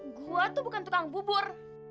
gue tuh bukan tukang bubur